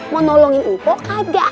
mau nolongin mpok aja